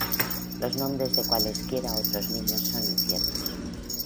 Los nombres de cualesquiera otros niños son inciertos.